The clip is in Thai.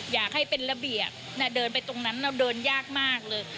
อยากให้เป็นระเบียบเดินไปตรงนั้นเราเดินยากมากเลย